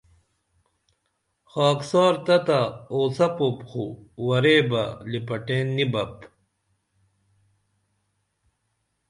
خاکسار تتہ اوڅپوپ خو ورے بہ لِپٹین نی بپ